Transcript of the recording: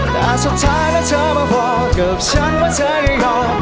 แต่สุดท้ายแล้วเธอมาบอกกับฉันว่าเธอได้ห่อ